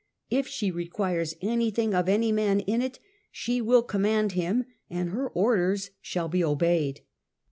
If she requires anything of any man in it, she will command him and her orders shall be obeyed.